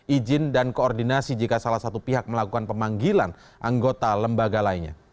izin dan koordinasi jika salah satu pihak melakukan pemanggilan anggota lembaga lainnya